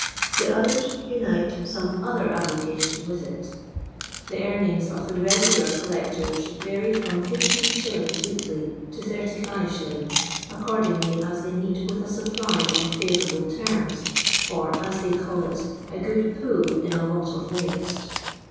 The others unite some other avocation with it. The earnings of the regular collectors vary from I5t, weekly to Z5s. accordingly as they meet with a supply on favourable terms, or, as they call it, " a good pull in a lot of waste."